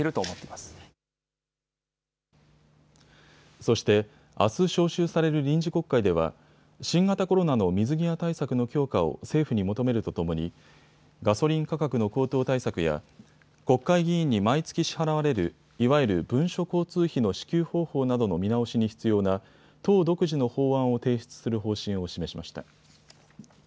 そして、あす召集される臨時国会では新型コロナの水際対策の強化を政府に求めるとともにガソリン価格の高騰対策や国会議員に毎月支払われるいわゆる文書交通費の支給方法などの見直しに必要な党独自の法案を提出する方針を示しました。